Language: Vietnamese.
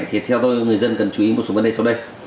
thì theo tôi người dân cần chú ý một số vấn đề sau đây